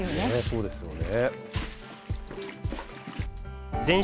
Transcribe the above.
そうですよね。